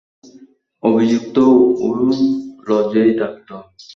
অভিযুক্ত ওই লজেই থাকত।